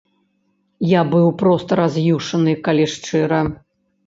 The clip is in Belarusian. Я быў проста раз'юшаны, калі шчыра.